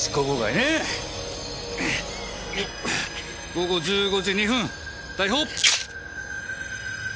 午後１５時２分逮捕。